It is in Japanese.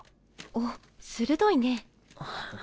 おっ鋭いね。